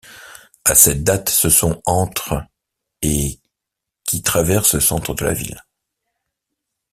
À cette date, ce sont entre et qui traversent le centre de la ville.